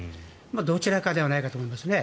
どちらかではないかと思いますね。